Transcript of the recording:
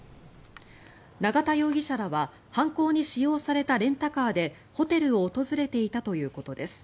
永田容疑者らは犯行に使用されたレンタカーでホテルを訪れていたということです。